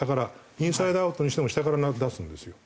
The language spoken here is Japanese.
インサイドアウトにしても下から出すんですよ。